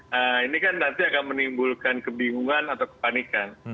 nah ini kan nanti akan menimbulkan kebingungan atau kepanikan